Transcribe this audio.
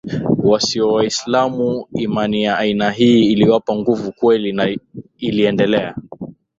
wasio Waislamu Imani ya aina hii iliwapa nguvu kweli na iliendelea